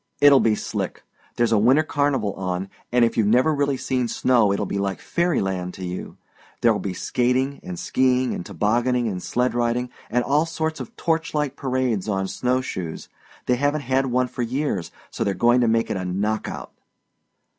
It'll be slick. There's a winter carnival on, and if you've never really seen snow it'll be like fairy land to you. There'll be skating and skiing and tobogganing and sleigh riding, and all sorts of torchlight parades on snow shoes. They haven't had one for years, so they're gong to make it a knock out."